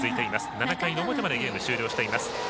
７回の表までゲーム終了しています。